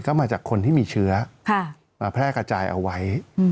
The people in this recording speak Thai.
ก็มาจากคนที่มีเชื้อแพร่กระจายเอาไว้